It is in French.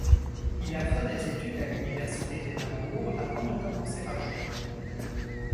Il a fait des études à l'université d'Édimbourg avant de commencer à jouer.